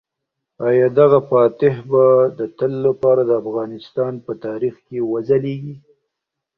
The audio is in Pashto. آیا دغه فاتح به د تل لپاره د افغانستان په تاریخ کې وځلیږي؟